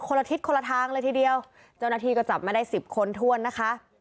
ละทิศคนละทางเลยทีเดียวเจ้าหน้าที่ก็จับมาได้สิบคนถ้วนนะคะ